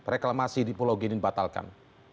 reklamasi di pulau g ini dibatalkan